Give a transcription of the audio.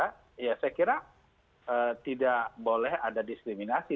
saya kira tidak boleh ada diskriminasi